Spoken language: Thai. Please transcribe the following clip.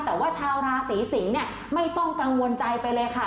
แต่ว่าชาวราศีสิงศ์เนี่ยไม่ต้องกังวลใจไปเลยค่ะ